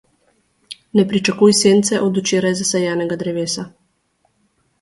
Ne pričakuj sence od včeraj zasajenega drevesa.